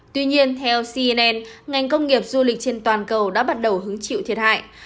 tuy nhiên theo cnn ngành công nghiệp du lịch trên toàn cầu đã bắt đầu hứng chịu thiệt hại